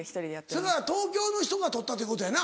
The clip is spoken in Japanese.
そやから東京の人が取ったっていうことやな？